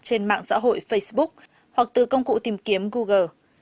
trên mạng xã hội facebook hoặc từ công cụ tìm kiếm google